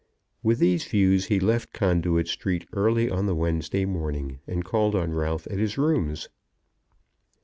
With these views he left Conduit Street early on the Wednesday morning, and called on Ralph at his rooms.